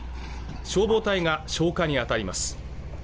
消防隊が消火に当たります